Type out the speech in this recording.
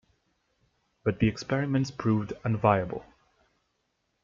But the experiments proved unviable.